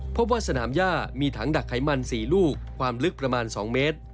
พบว่าสนามย่ามีถังดักไขมัน๔ลูกความลึกประมาณ๒เมตร